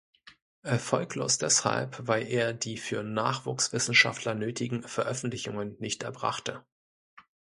Erfolglos deshalb, weil er die für Nachwuchswissenschaftler nötigen Veröffentlichungen nicht erbrachte.